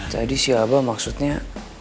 jadi si abah maksudnya